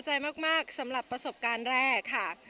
พอใจค่ะพอใจมากสำหรับประสบการณ์แรกค่ะ